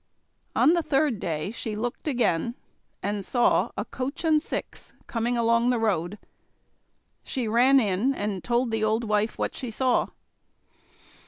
On the third day she looked again, and saw a coach and six coming along the road. She ran in and told the old wife what she saw.